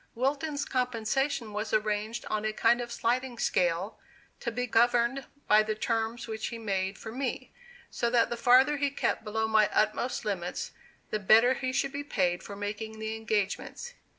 Wilton's compensation was arranged on a kind of sliding scale, to be governed by the terms which he made for me so that the farther he kept below my utmost limits, the better he should be paid for making the engagements.